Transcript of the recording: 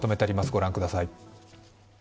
ご覧ください。